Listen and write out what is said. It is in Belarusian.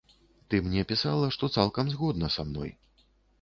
Ты мне пісала, што цалкам згодна са мной.